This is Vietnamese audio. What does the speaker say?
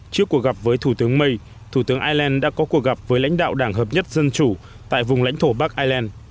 trước cuộc gặp với thủ tướng may thủ tướng ireland đã có cuộc gặp với lãnh đạo đảng hợp nhất dân chủ tại vùng lãnh thổ bắc ireland